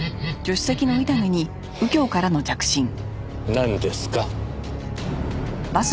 なんですか？